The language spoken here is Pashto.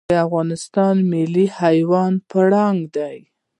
د افغانستان ملي حیوان پړانګ دی